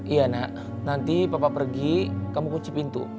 iya nak nanti papa pergi kamu kunci pintu